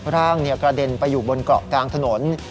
ร่างกระเด็นไปอยู่บนเกาะกลางถนน